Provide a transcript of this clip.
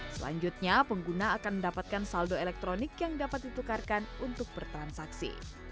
selanjutnya pengguna akan mendapatkan saldo elektronik yang dapat ditukarkan untuk bertransaksi